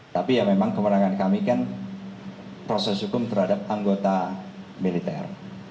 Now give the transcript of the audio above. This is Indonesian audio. tapi ya memang kewenangan kami kan proses hukum terhadap anggota militer